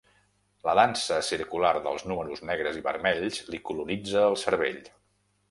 La dansa circular dels números negres i vermells li colonitza el cervell.